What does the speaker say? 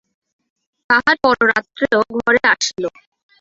তাহার পররাত্রেও ঘরে আসিল।